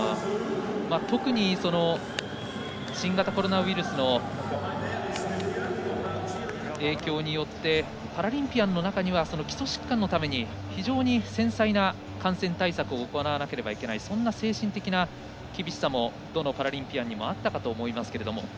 特に新型コロナウイルスの影響によってパラリンピアンの中には基礎疾患のために非常に繊細な感染対策を行わないといけないそんな精神的な厳しさもどのパラリンピアンにもあったかもしれませんが。